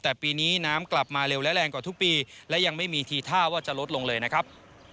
แต่ปีนี้น้ำกลับมาเร็วและแรงกว่าทุกปีและยังไม่มีทีท่าว่าจะลดลงเลยนะครับ